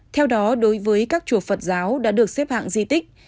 theo đó đối với các chùa phật giáo đã được xếp hạng di tích